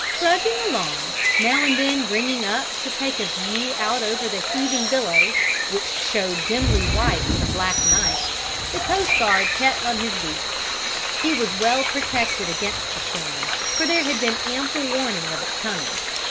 Trudging along, now and then bringing up to take a view out over the heaving billows, which showed dimly white in the black night, the coast guard kept on his beat. He was well protected against the storm, for there had been ample warning of its coming.